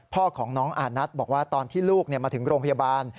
พ่อของน้องอานัทบอกว่าตอนที่ลูกมาถึงโรงพยาบาล